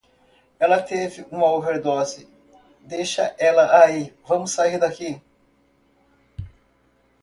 Ela teve uma overdose, deixa ela aí, vamos sair daqui